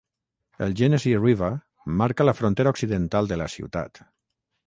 El Genesee River marca la frontera occidental de la ciutat.